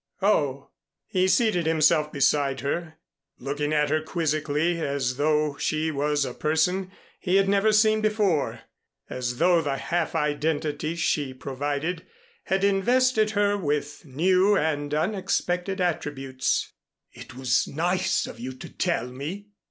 "Oh." He seated himself beside her, looking at her quizzically as though she was a person he had never seen before as though the half identity she provided had invested her with new and unexpected attributes. "It was nice of you to tell me.